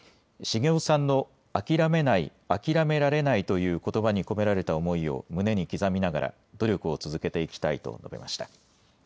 繁雄さんの諦めない、諦められないということばに込められた思いを胸に刻みながら、努力を続けていきたいと述べました。